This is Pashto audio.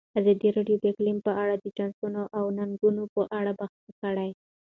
ازادي راډیو د اقلیم په اړه د چانسونو او ننګونو په اړه بحث کړی.